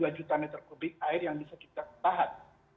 sehingga ada delapan dua juta meter kubik air yang bisa kita bahas